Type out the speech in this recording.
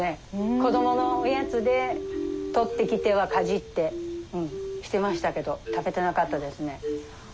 子どものおやつで採ってきてはかじってしてましたけど食べてなかったですね。